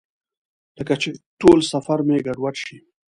لکه چې ټول سفر مې ګډوډ شي.